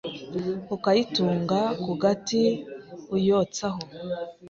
ukayitunga ku gati uyotsaho